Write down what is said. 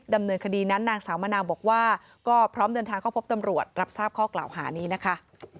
ดำเนินคดีนั้นนางสาวมะนาวบอกว่าก็พร้อมเดินทางเข้าพบตำรวจรับทราบข้อกล่าวหานี้นะคะ